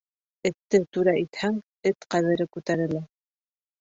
Этте түрә итһәң, эт ҡәҙере күтәрелә.